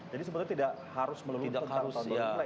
jadi sebenarnya tidak harus melurus tentang tahun baru imlek ya